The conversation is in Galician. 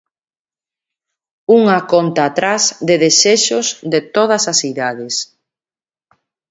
Unha contra atrás de desexos de todas as idades.